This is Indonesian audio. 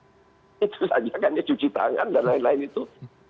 itu saja kan ya cuci tangan dan lain lain itu